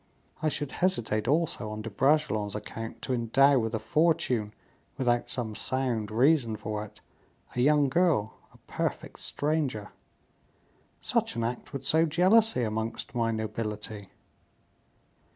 I should hesitate also, on De Bragelonne's account, to endow with a fortune, without some sound reason for it, a young girl, a perfect stranger; such an act would sow jealousy amongst my nobility."